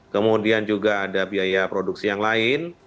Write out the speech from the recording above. kemudian juga ada biaya produksi yang lain